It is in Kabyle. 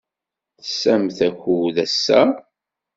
Tesɛamt akud ass-a?